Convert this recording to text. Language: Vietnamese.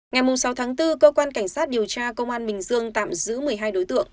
ngày sáu tháng bốn cơ quan cảnh sát điều tra công an bình dương tạm giữ một mươi hai đối tượng